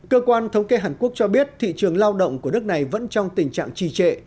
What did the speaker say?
cơ quan thống kê hàn quốc cho biết thị trường lao động của nước này vẫn trong tình trạng trì trệ